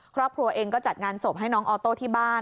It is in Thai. ครอบครัวเองก็จัดงานศพให้น้องออโต้ที่บ้าน